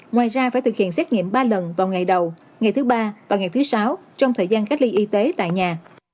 ngoài ra phải thực hiện xét nghiệm ba lần vào ngày đầu ngày thứ ba và ngày thứ sáu trong thời gian cách ly y tế tại nhà